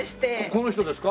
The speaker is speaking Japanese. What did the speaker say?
この人ですか？